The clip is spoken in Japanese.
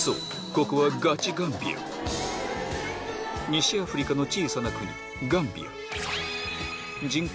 ここは西アフリカの小さな国ガンビア人口